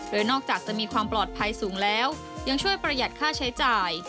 โดยนอกจากจะมีความปลอดภัยสูงแล้วยังช่วยประหยัดค่าใช้จ่าย